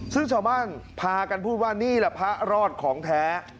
ซึ่งชาวบ้านพากันพูดว่านี่แหละพระรอดของแท้